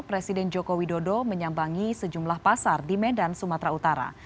presiden joko widodo menyambangi sejumlah pasar di medan sumatera utara